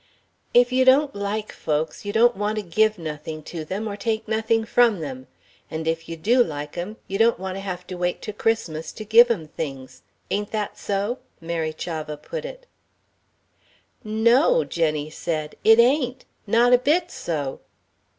"If you don't like folks, you don't want to give nothing to them or take nothing from them. And if you do like 'em you don't want to have to wait to Christmas to give 'em things. Ain't that so?" Mary Chavah put it. "No," said Jenny; "it ain't. Not a bit so."